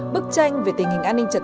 bức tranh về tình hình an ninh trật tự